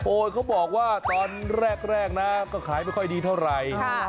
เขาบอกว่าตอนแรกนะก็ขายไม่ค่อยดีเท่าไหร่